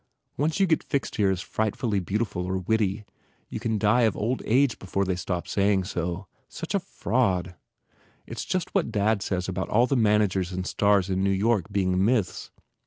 Once you get fixed here as fright fully beautiful or witty you can die of old age before they stop saying so. Such a fraud! It s just what dad says about all the managers and stars in New York being myths.